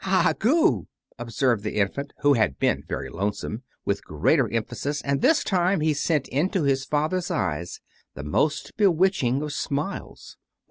"Ah goo!" observed the infant (who had been very lonesome), with greater emphasis; and this time he sent into his father's eyes the most bewitching of smiles.